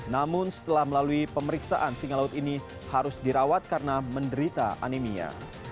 namun setelah melalui pemeriksaan singa laut ini harus dirawat karena menderita anemia